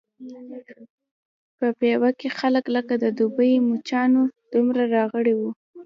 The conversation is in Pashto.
په پېوه کې خلک لکه د دوبي مچانو دومره راغلي وو.